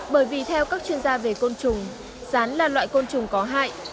bởi vì theo các chuyên gia về côn trùng rán là loại côn trùng có hại